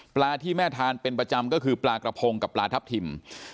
ที่แม่ทานเป็นประจำก็คือปลากระพงกับปลาทับทิม